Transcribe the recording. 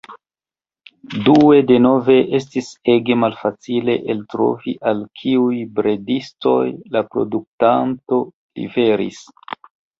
Due, denove estis ege malfacile eltrovi al kiuj bredistoj la produktanto liveris.